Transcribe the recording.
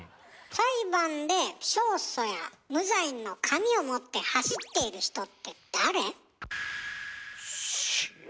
裁判で勝訴や無罪の紙を持って走っている人って誰？